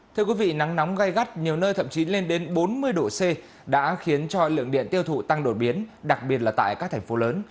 thưa quý vị nắng nóng gai gắt nhiều nơi thậm chí lên đến bốn mươi độ c đã khiến cho lượng điện tiêu thụ tăng đột biến đặc biệt là tại các thành phố lớn